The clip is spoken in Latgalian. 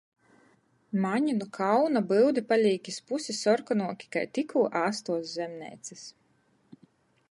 Maņ nu kauna byudi palīk iz pusi sorkonuoki kai tikkū āstuos zemneicys...